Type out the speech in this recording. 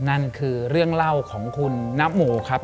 นั่นคือเรื่องเล่าของคุณนโมครับ